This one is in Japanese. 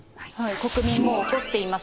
国民も怒っています。